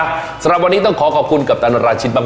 สำหรับวันนี้ต้องขอขอบคุณกัปตันราชิตมาก